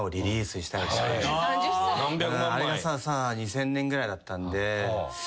あれが２０００年ぐらいだったんで。